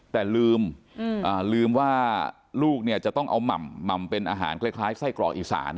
แต่ลืมลืมว่าลูกจะต้องเอาหม่ำเป็นอาหารคล้ายไส้กรอกอีสาน